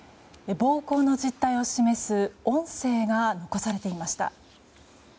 暴行の実態を示す音声が残されていました。